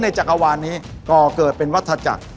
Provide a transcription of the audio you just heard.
จักรวาลนี้ก่อเกิดเป็นวัฒนาจักร